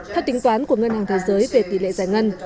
theo tính toán của ngân hàng thế giới về tỷ lệ giải ngân